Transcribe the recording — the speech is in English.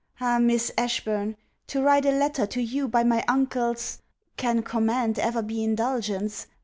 Ah, Miss Ashburn! to write a letter to you by my uncle's Can command ever be indulgence?